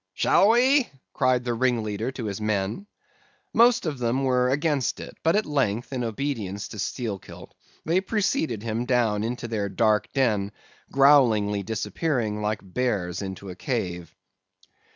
"'Shall we?' cried the ringleader to his men. Most of them were against it; but at length, in obedience to Steelkilt, they preceded him down into their dark den, growlingly disappearing, like bears into a cave.